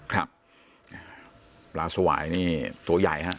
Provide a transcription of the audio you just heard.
ครับปลาสวายนี่ตัวใหญ่ฮะ